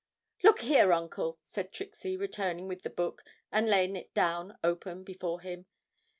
'Look here, Uncle,' said Trixie, returning with the book and laying it down open before him.